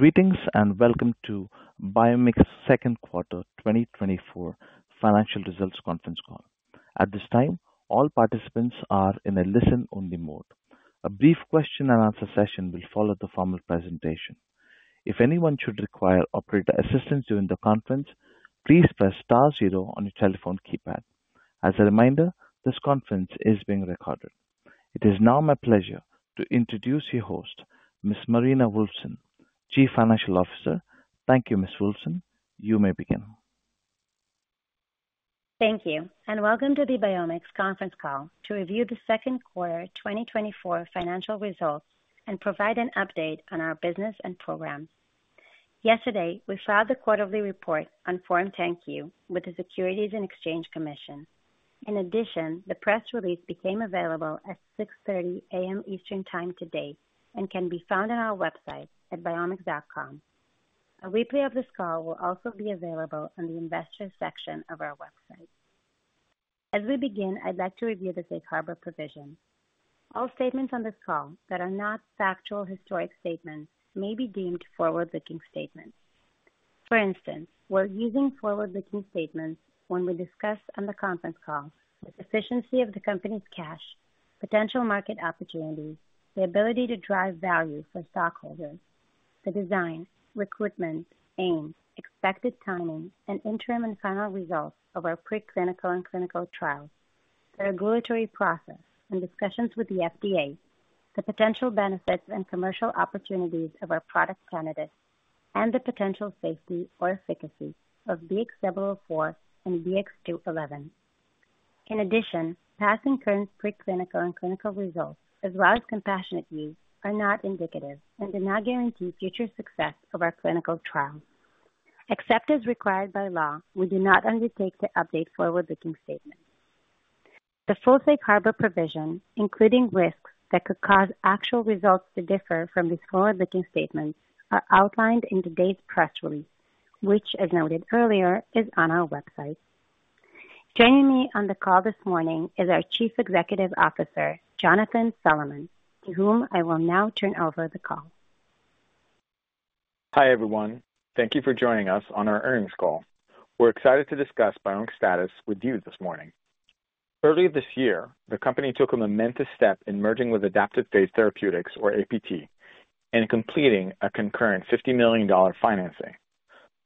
...Greetings, and welcome to BiomX's second quarter 2024 financial results conference call. At this time, all participants are in a listen-only mode. A brief question and answer session will follow the formal presentation. If anyone should require operator assistance during the conference, please press star zero on your telephone keypad. As a reminder, this conference is being recorded. It is now my pleasure to introduce your host, Ms. Marina Wolfson, Chief Financial Officer. Thank you, Ms. Wolfson. You may begin. Thank you, and welcome to the BiomX conference call to review the second quarter 2024 financial results and provide an update on our business and programs. Yesterday, we filed the quarterly report on Form 10-Q with the Securities and Exchange Commission. In addition, the press release became available at 6:30 A.M. Eastern Time today and can be found on our website at biomx.com. A replay of this call will also be available on the investors section of our website. As we begin, I'd like to review the safe harbor provision. All statements on this call that are not factual historic statements may be deemed forward-looking statements. For instance, we're using forward-looking statements when we discuss on the conference call the efficiency of the company's cash, potential market opportunities, the ability to drive value for stockholders, the design, recruitment, aims, expected timing, and interim and final results of our preclinical and clinical trials, the regulatory process and discussions with the FDA, the potential benefits and commercial opportunities of our product candidates, and the potential safety or efficacy of BX004 and BX211. In addition, past and current preclinical and clinical results, as well as compassionate use, are not indicative and do not guarantee future success of our clinical trials. Except as required by law, we do not undertake to update forward-looking statements. The full safe harbor provision, including risks that could cause actual results to differ from these forward-looking statements, are outlined in today's press release, which, as noted earlier, is on our website. Joining me on the call this morning is our Chief Executive Officer, Jonathan Solomon, to whom I will now turn over the call. Hi, everyone. Thank you for joining us on our earnings call. We're excited to discuss BiomX status with you this morning. Early this year, the company took a momentous step in merging with Adaptive Phage Therapeutics, or APT, and completing a concurrent $50 million financing.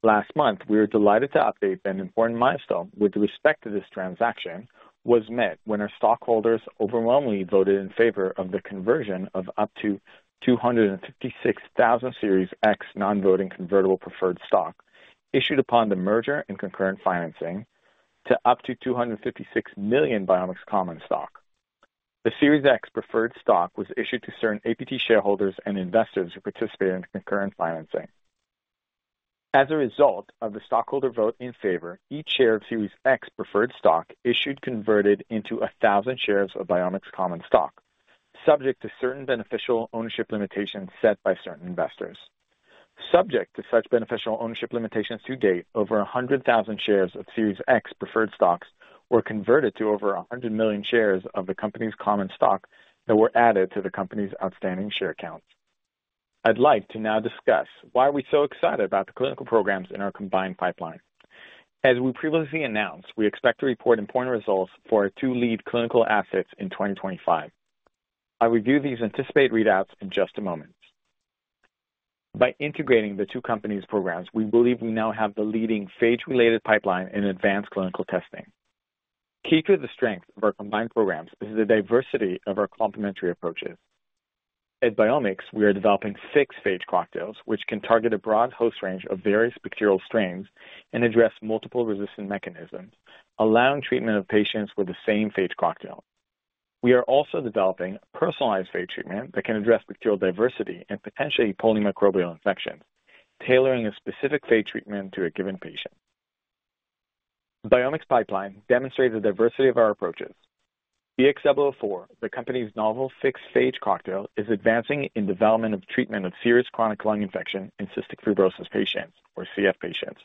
Last month, we were delighted to update that an important milestone with respect to this transaction was met when our stockholders overwhelmingly voted in favor of the conversion of up to 256,000 Series X Non-Voting Convertible Preferred Stock, issued upon the merger and concurrent financing, to up to 256 million BiomX common stock. The Series X preferred stock was issued to certain APT shareholders and investors who participated in the concurrent financing. As a result of the stockholder vote in favor, each share of Series X preferred stock issued converted into 1,000 shares of BiomX common stock, subject to certain beneficial ownership limitations set by certain investors. Subject to such beneficial ownership limitations to date, over 100,000 shares of Series X preferred stocks were converted to over 100 million shares of the company's common stock that were added to the company's outstanding share count. I'd like to now discuss why are we so excited about the clinical programs in our combined pipeline. As we previously announced, we expect to report important results for our two lead clinical assets in 2025. I'll review these anticipated readouts in just a moment. By integrating the two companies' programs, we believe we now have the leading phage-related pipeline in advanced clinical testing. Key to the strength of our combined programs is the diversity of our complementary approaches. At BiomX, we are developing six phage cocktails, which can target a broad host range of various bacterial strains and address multiple resistant mechanisms, allowing treatment of patients with the same phage cocktail. We are also developing personalized phage treatment that can address bacterial diversity and potentially polymicrobial infections, tailoring a specific phage treatment to a given patient. BiomX pipeline demonstrates the diversity of our approaches. BX004, the company's novel six-phage cocktail, is advancing in development of treatment of serious chronic lung infection in Cystic Fibrosis patients, or CF patients,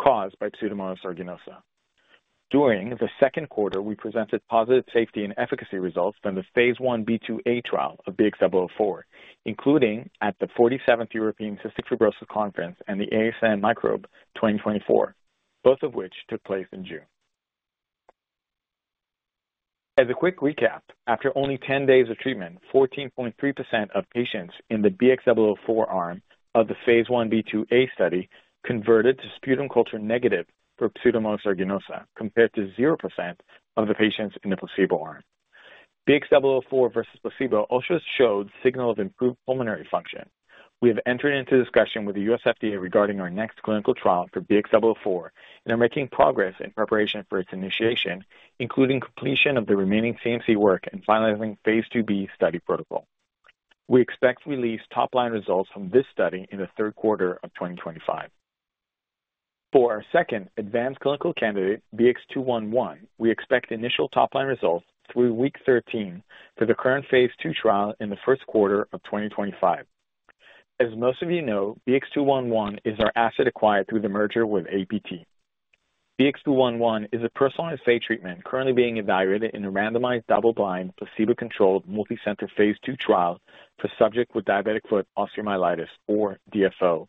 caused by Pseudomonas aeruginosa. During the second quarter, we presented positive safety and efficacy results from the phase I-B, II trial of BX004, including at the 47th European Cystic Fibrosis Conference and the ASM Microbe 2024, both of which took place in June. As a quick recap, after only 10 days of treatment, 14.3% of patients in the BX004 arm of the phase I-B, II study converted to sputum culture negative for Pseudomonas aeruginosa, compared to 0% of the patients in the placebo arm. BX004 versus placebo also showed signal of improved pulmonary function. We have entered into discussion with the U.S. FDA regarding our next clinical trial for BX004 and are making progress in preparation for its initiation, including completion of the remaining CMC work and finalizing phase II-B study protocol. We expect to release top-line results from this study in the third quarter of 2025. For our second advanced clinical candidate, BX211, we expect initial top-line results through week 13 for the current phase II trial in the first quarter of 2025. As most of you know, BX211 is our asset acquired through the merger with APT.... BX211 is a personalized phage treatment currently being evaluated in a randomized, double-blind, placebo-controlled, multicenter phase II trial for subjects with diabetic foot osteomyelitis, or DFO,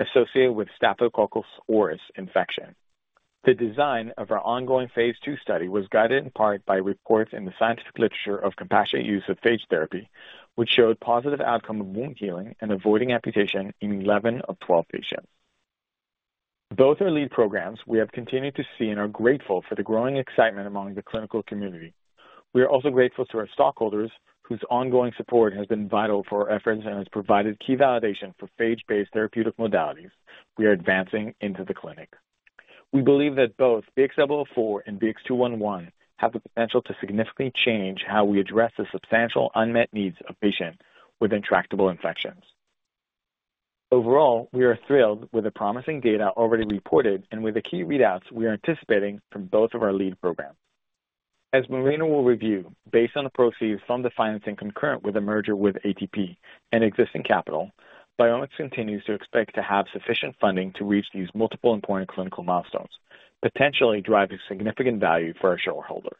associated with Staphylococcus aureus infection. The design of our ongoing phase II study was guided in part by reports in the scientific literature of compassionate use of phage therapy, which showed positive outcome of wound healing and avoiding amputation in 11 of 12 patients. Both our lead programs we have continued to see and are grateful for the growing excitement among the clinical community. We are also grateful to our stockholders, whose ongoing support has been vital for our efforts and has provided key validation for phage-based therapeutic modalities we are advancing into the clinic. We believe that both BX004 and BX211 have the potential to significantly change how we address the substantial unmet needs of patients with intractable infections. Overall, we are thrilled with the promising data already reported and with the key readouts we are anticipating from both of our lead programs. As Marina will review, based on the proceeds from the financing concurrent with the merger with APT and existing capital, BiomX continues to expect to have sufficient funding to reach these multiple important clinical milestones, potentially driving significant value for our shareholders.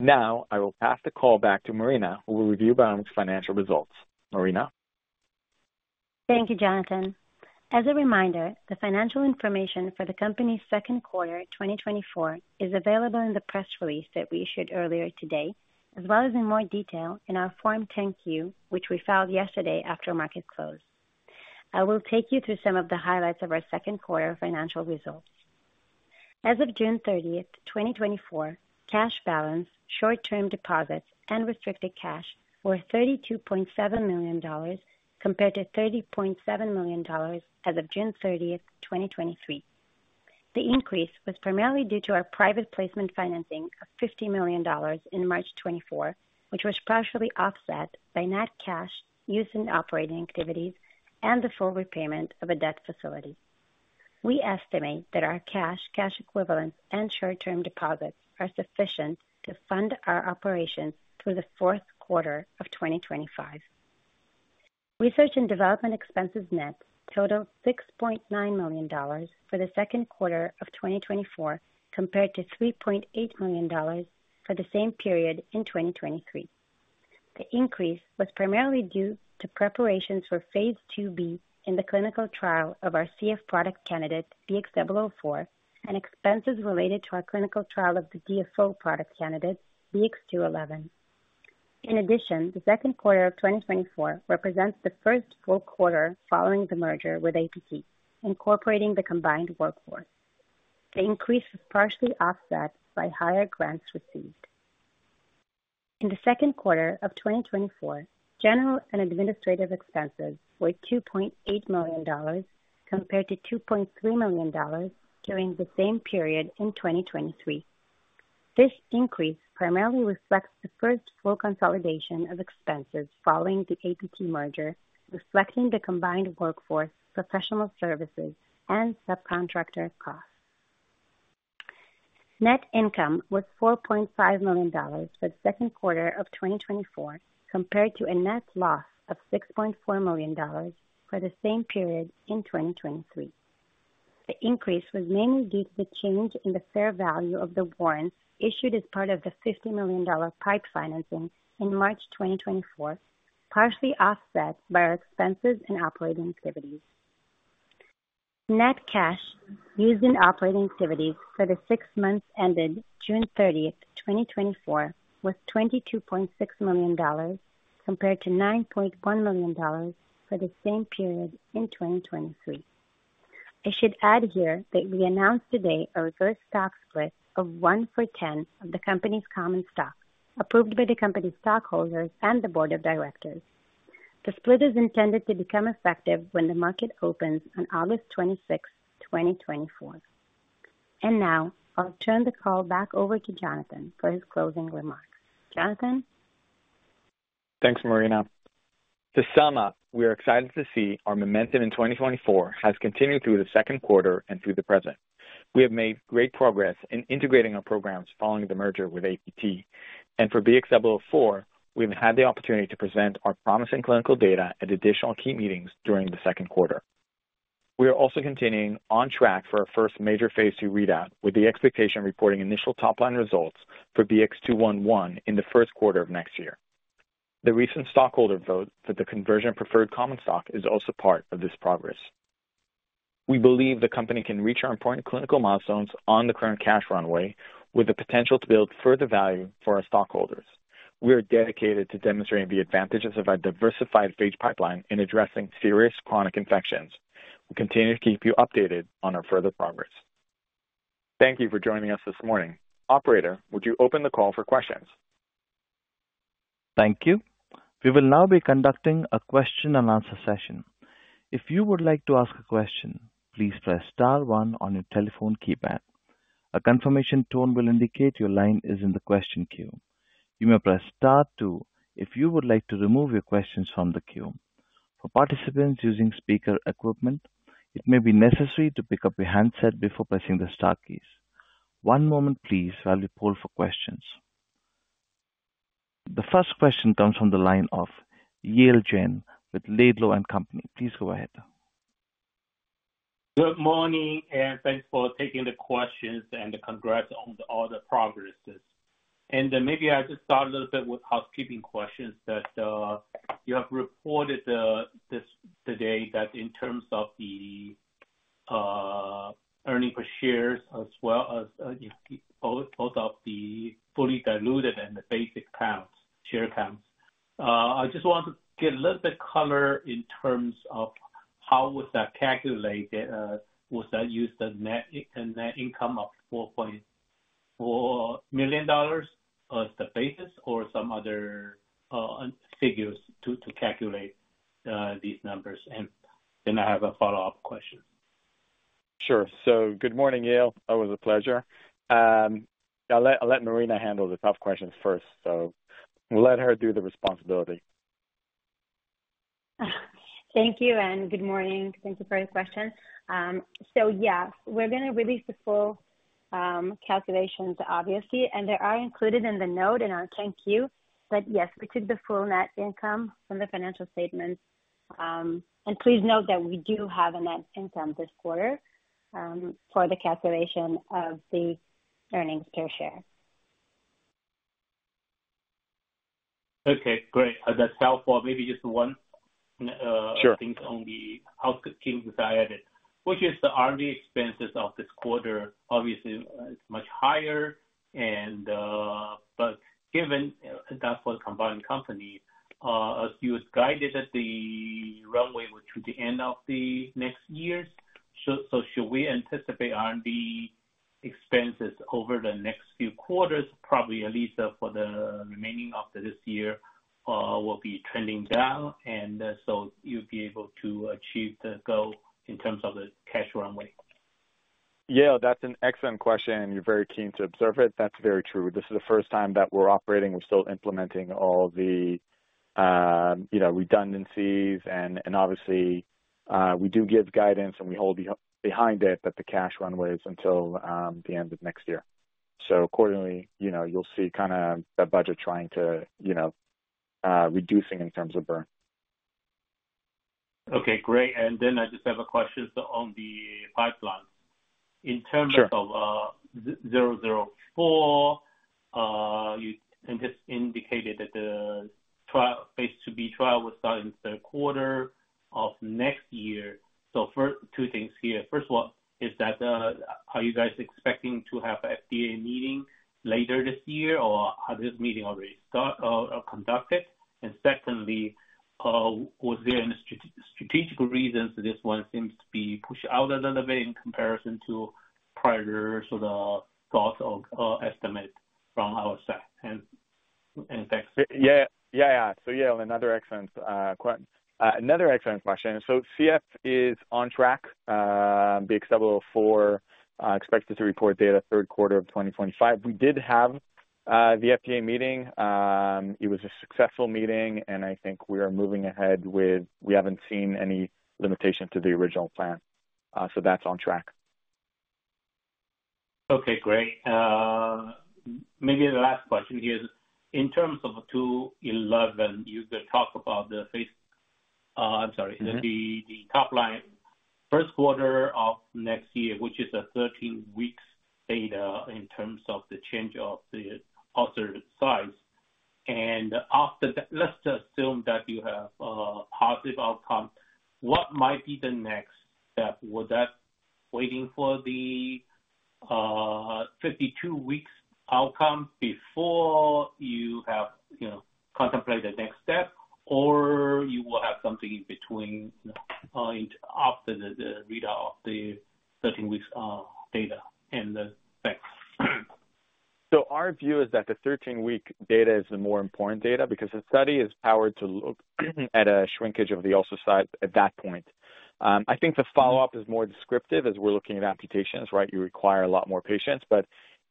Now, I will pass the call back to Marina, who will review BiomX's financial results. Marina? Thank you, Jonathan. As a reminder, the financial information for the company's second quarter, 2024, is available in the press release that we issued earlier today, as well as in more detail in our Form 10-Q, which we filed yesterday after market close. I will take you through some of the highlights of our second quarter financial results. As of June 30th, 2024, cash balance, short-term deposits, and restricted cash were $32.7 million, compared to $30.7 million as of June 30th, 2023. The increase was primarily due to our private placement financing of $50 million in March 2024, which was partially offset by net cash used in operating activities and the full repayment of a debt facility. We estimate that our cash, cash equivalent, and short-term deposits are sufficient to fund our operations through the fourth quarter of 2025. Research and development expenses net totaled $6.9 million for the second quarter of 2024, compared to $3.8 million for the same period in 2023. The increase was primarily due to preparations for phase II-B in the clinical trial of our CF product candidate, BX004, and expenses related to our clinical trial of the DFO product candidate, BX211. In addition, the second quarter of 2024 represents the first full quarter following the merger with APT, incorporating the combined workforce. The increase was partially offset by higher grants received. In the second quarter of 2024, general and administrative expenses were $2.8 million, compared to $2.3 million during the same period in 2023. This increase primarily reflects the first full consolidation of expenses following the APT merger, reflecting the combined workforce, professional services, and subcontractor costs. Net income was $4.5 million for the second quarter of 2024, compared to a net loss of $6.4 million for the same period in 2023. The increase was mainly due to the change in the fair value of the warrants issued as part of the $50 million PIPE financing in March 2024, partially offset by our expenses and operating activities. Net cash used in operating activities for the six months ended June 30th, 2024, was $22.6 million, compared to $9.1 million for the same period in 2023. I should add here that we announced today a reverse stock split of one-for-10 of the company's common stock, approved by the company's stockholders and the board of directors. The split is intended to become effective when the market opens on August 26th, 2024. Now I'll turn the call back over to Jonathan for his closing remarks. Jonathan? Thanks, Marina. To sum up, we are excited to see our momentum in 2024 has continued through the second quarter and through the present. We have made great progress in integrating our programs following the merger with APT, and for BX004, we've had the opportunity to present our promising clinical data at additional key meetings during the second quarter. We are also continuing on track for our first major phase II readout, with the expectation of reporting initial top-line results for BX211 in the first quarter of next year. The recent stockholder vote for the conversion of preferred common stock is also part of this progress. We believe the company can reach our important clinical milestones on the current cash runway, with the potential to build further value for our stockholders. We are dedicated to demonstrating the advantages of our diversified phage pipeline in addressing serious chronic infections. We'll continue to keep you updated on our further progress. Thank you for joining us this morning. Operator, would you open the call for questions? Thank you. We will now be conducting a question and answer session. If you would like to ask a question, please press star one on your telephone keypad. A confirmation tone will indicate your line is in the question queue. You may press star two if you would like to remove your questions from the queue. For participants using speaker equipment, it may be necessary to pick up your handset before pressing the star keys. One moment please, while we poll for questions.... The first question comes from the line of Yale Jen with Laidlaw & Company. Please go ahead. Good morning, and thanks for taking the questions and congrats on all the progress. Maybe I'll just start a little bit with housekeeping questions that you have reported this today, that in terms of the earnings per share, as well as both of the fully diluted and the basic share counts. I just want to get a little bit color in terms of how was that calculated. Was that used the net income of $4.4 million as the basis or some other figures to calculate these numbers? And then I have a follow-up question. Sure. So good morning, Yale. Always a pleasure. I'll let Marina handle the tough questions first, so we'll let her take responsibility. Thank you, and good morning. Thank you for the question. So yeah, we're gonna release the full calculations, obviously, and they are included in the note in our 10-Q. But yes, we took the full net income from the financial statements. And please note that we do have a net income this quarter, for the calculation of the earnings per share. Okay, great. That's helpful. Maybe just one, Sure. Things on the housekeeping side of it, which is the R&D expenses of this quarter. Obviously, it's much higher and. But given that's for the combined company, as you was guided at the runway to the end of the next year, so, so should we anticipate R&D expenses over the next few quarters, probably at least for the remaining of this year, will be trending down, and so you'll be able to achieve the goal in terms of the cash runway? Yale, that's an excellent question. You're very keen to observe it. That's very true. This is the first time that we're operating. We're still implementing all the, you know, redundancies, and obviously, we do give guidance and we hold behind it, that the cash runway is until, the end of next year. So accordingly, you know, you'll see kind of the budget trying to, you know, reducing in terms of burn. Okay, great. And then I just have a question on the pipeline. Sure. In terms of BX004, you indicated that the trial, phase 2-B trial will start in the third quarter of next year. So first, two things here: First of all, is that, are you guys expecting to have FDA meeting later this year, or has this meeting already start, conducted? And secondly, was there any strategical reasons this one seems to be pushed out a little bit in comparison to prior sort of thoughts or estimate from our side? And thanks. Yeah. Yeah. So Yale, another excellent question. So CF is on track, BX004 expected to report data third quarter of 2025. We did have the FDA meeting. It was a successful meeting, and I think we are moving ahead with, we haven't seen any limitation to the original plan. So that's on track. Okay, great. Maybe the last question here is in terms of 211, you could talk about the phase... I'm sorry, the- Mm-hmm. The top line, first quarter of next year, which is a 13 weeks data in terms of the change of the ulcer size. And after that, let's assume that you have a positive outcome. What might be the next step? Would that waiting for the 52 weeks outcome before you have, you know, contemplate the next step, or you will have something in between, you know, point after the read of the 13 weeks data? And thanks. Our view is that the 13-week data is the more important data because the study is powered to look at a shrinkage of the ulcer size at that point. I think the follow-up is more descriptive as we're looking at amputations, right? You require a lot more patients. But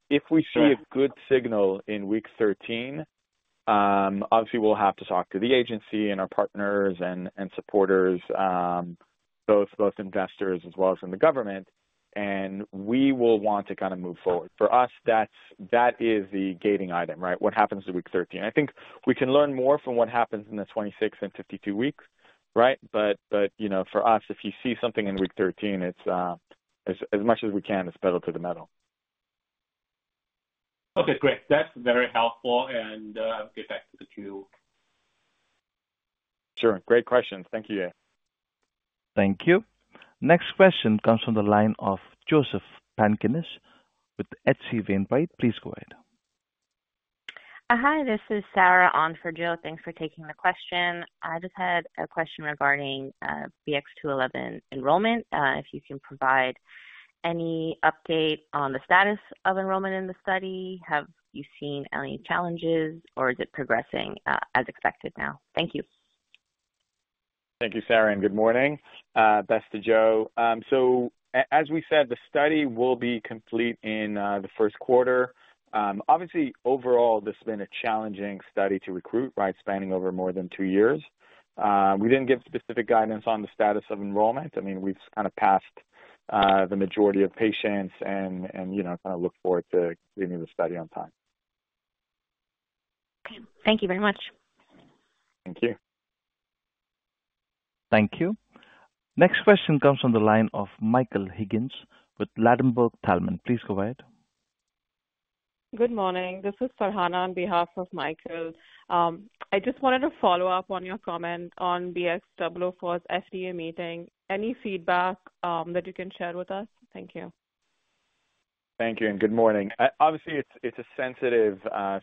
if we see- Sure. A good signal in week 13, obviously we'll have to talk to the agency and our partners and supporters, both investors as well as from the government, and we will want to kind of move forward. For us, that's, that is the gating item, right? What happens in week 13. I think we can learn more from what happens in the 26 and 52 weeks, right? But you know, for us, if you see something in week 13, it's as much as we can, it's pedal to the metal. Okay, great. That's very helpful, and I'll get back to the queue. Sure. Great questions. Thank you, Yale. Thank you. Next question comes from the line of Joseph Pantginis with H.C. Wainwright. Please go ahead. Hi, this is Sara on for Joe. Thanks for taking the question. I just had a question regarding BX211 enrollment. If you can provide any update on the status of enrollment in the study, have you seen any challenges, or is it progressing as expected now? Thank you. Thank you, Sara, and good morning, best to Joe. So as we said, the study will be complete in the first quarter. Obviously, overall, this has been a challenging study to recruit by spanning over more than two years. We didn't give specific guidance on the status of enrollment. I mean, we've kind of passed the majority of patients and, and, you know, kind of look forward to giving the study on time. Okay, thank you very much. Thank you. Thank you. Next question comes from the line of Michael Higgins with Ladenburg Thalmann. Please go ahead. Good morning. This is Farhana on behalf of Michael. I just wanted to follow up on your comment on BX004's FDA meeting. Any feedback, that you can share with us? Thank you. Thank you, and good morning. Obviously, it's a sensitive,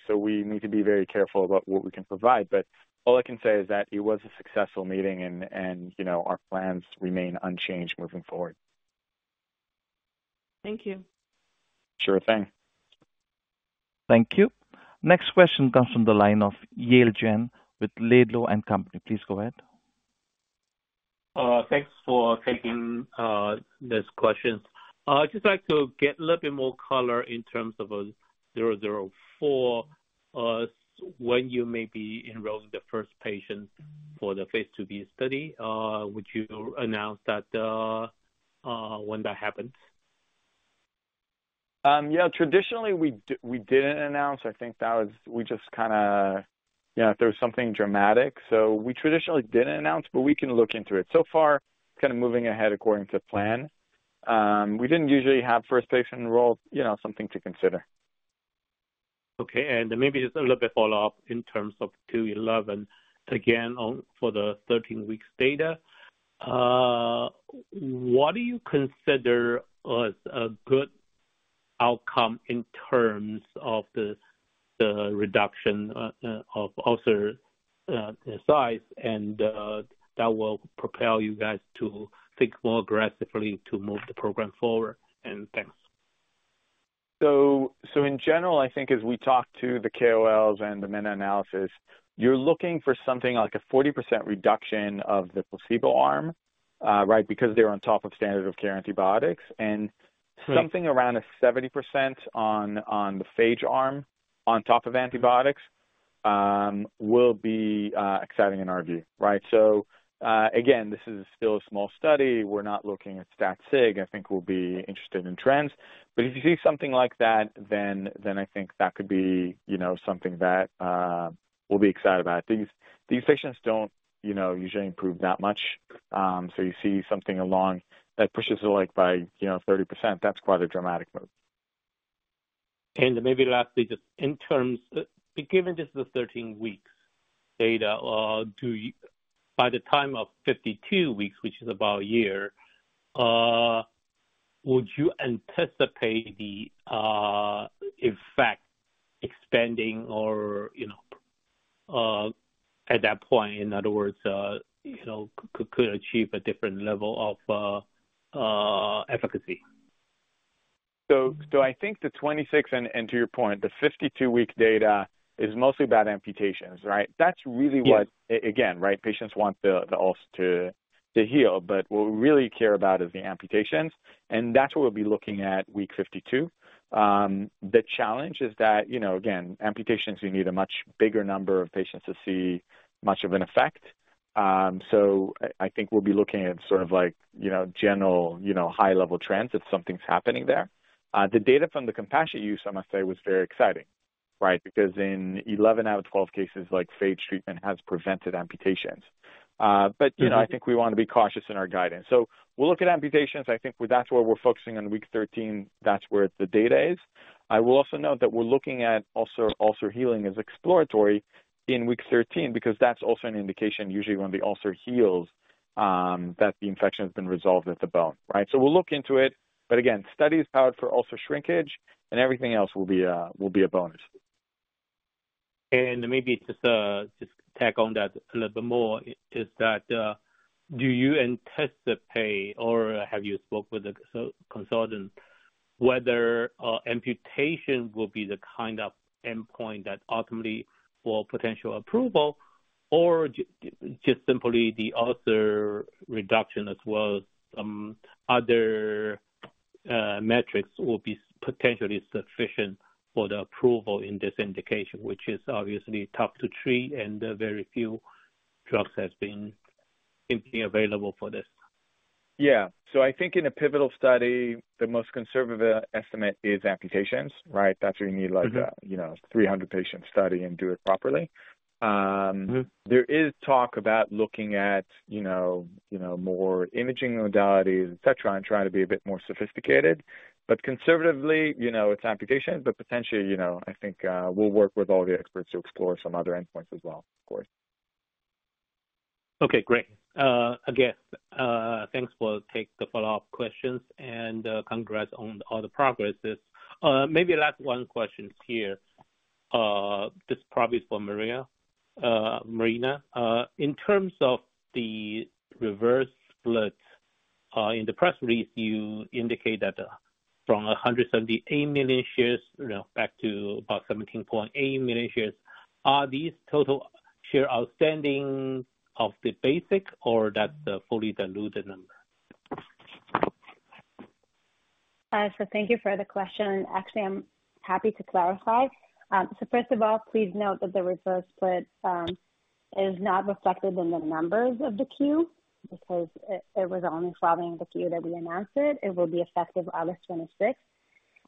so we need to be very careful about what we can provide. But all I can say is that it was a successful meeting and, you know, our plans remain unchanged moving forward. Thank you. Sure thing. Thank you. Next question comes from the line of Yale Jen with Laidlaw & Company. Please go ahead. Thanks for taking this question. I'd just like to get a little bit more color in terms of BX004, when you may be enrolling the first patient for the phase II-B study. Would you announce that, when that happens? Yeah, traditionally we didn't announce. I think that was... We just kinda, you know, if there was something dramatic. So we traditionally didn't announce, but we can look into it. So far, kind of moving ahead according to plan. We didn't usually have first patient enrolled, you know, something to consider. Okay, and maybe just a little bit follow-up in terms of 211, again, on for the 13 weeks data. What do you consider as a good outcome in terms of the reduction of ulcer size, and that will propel you guys to think more aggressively to move the program forward? And thanks. In general, I think as we talk to the KOLs and the meta-analysis, you're looking for something like a 40% reduction of the placebo arm, right? Because they're on top of standard of care antibiotics. Mm-hmm. And something around 70% on, on the phage arm, on top of antibiotics, will be, exciting in our view, right? So, again, this is still a small study. We're not looking at stat sig. I think we'll be interested in trends. But if you see something like that, then, then I think that could be, you know, something that, we'll be excited about. These, these patients don't, you know, usually improve that much. So you see something along that pushes it, like, by, you know, 30%, that's quite a dramatic move. Maybe lastly, just in terms, given just the 13 weeks data, do you, by the time of 52 weeks, which is about a year, would you anticipate the effect expanding or, you know, at that point, in other words, you know, could achieve a different level of efficacy? So, I think the 26, and to your point, the 52-week data is mostly about amputations, right? Yes. That's really what, right, patients want the ulcer to heal, but what we really care about is the amputations, and that's what we'll be looking at week 52. The challenge is that, you know, again, amputations, we need a much bigger number of patients to see much of an effect. So I think we'll be looking at sort of like, you know, general, you know, high-level trends if something's happening there. The data from the compassionate use, I must say, was very exciting, right? Because in 11 out of 12 cases, like, phage treatment has prevented amputations. Mm-hmm. But, you know, I think we want to be cautious in our guidance. So we'll look at amputations. I think that's where we're focusing on week 13. That's where the data is. I will also note that we're looking at ulcer, ulcer healing as exploratory in week 13, because that's also an indication, usually when the ulcer heals, that the infection has been resolved at the bone, right? So we'll look into it, but again, study is powered for ulcer shrinkage, and everything else will be a, will be a bonus. And maybe just tack on that a little bit more, is that do you anticipate or have you spoke with a co-consultant whether amputation will be the kind of endpoint that ultimately for potential approval, or just simply the ulcer reduction, as well as some other metrics will be potentially sufficient for the approval in this indication, which is obviously tough to treat and very few drugs has been simply available for this? Yeah. So I think in a pivotal study, the most conservative estimate is amputations, right? That's where you need, like- Mm-hmm... you know, 300-patient study and do it properly. Mm-hmm. There is talk about looking at, you know, you know, more imaging modalities, et cetera, and trying to be a bit more sophisticated. But conservatively, you know, it's amputations, but potentially, you know, I think, we'll work with all the experts to explore some other endpoints as well, of course. Okay, great. Again, thanks for taking the follow-up questions and, congrats on all the progresses. Maybe last one question here. This probably is for Maria, Marina. In terms of the reverse split, in the press release, you indicate that, from 178 million shares, you know, back to about 17.8 million shares, are these total share outstanding of the basic or that's the fully diluted number? So thank you for the question. Actually, I'm happy to clarify. So first of all, please note that the reverse split is not reflected in the numbers of the Q, because it was only following the Q that we announced it. It will be effective August 26th.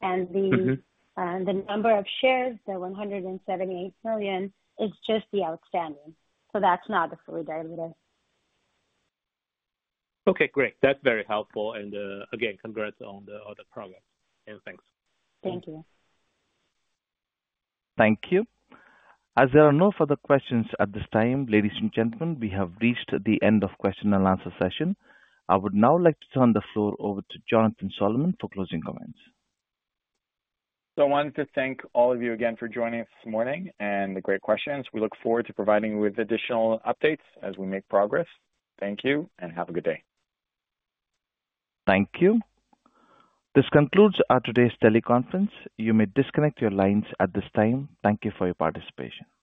Mm-hmm. The number of shares, the 178 million, is just the outstanding, so that's not the fully diluted. Okay, great. That's very helpful. And, again, congrats on the, on the progress, and thanks. Thank you. Thank you. As there are no further questions at this time, ladies and gentlemen, we have reached the end of question and answer session. I would now like to turn the floor over to Jonathan Solomon for closing comments. So I wanted to thank all of you again for joining us this morning, and great questions. We look forward to providing you with additional updates as we make progress. Thank you, and have a good day. Thank you. This concludes our today's teleconference. You may disconnect your lines at this time. Thank you for your participation.